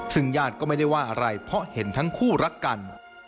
ซึ่งญาติก็ไม่ได้ว่าอะไรเพราะเห็นทั้งคู่รักกัน